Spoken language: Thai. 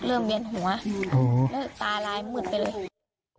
เริ่มเวียนหัวตาลายมืดไปเลย